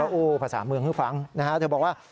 แล้วโอ้ภาษาเมืองเครื่องฟังนะฮะเธอบอกว่า